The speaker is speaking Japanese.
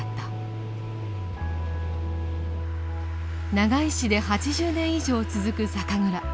長井市で８０年以上続く酒蔵。